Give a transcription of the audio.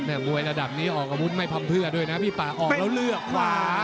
มวยระดับนี้ออกอาวุธไม่พำเพื่อด้วยนะพี่ป่าออกแล้วเลือกขวา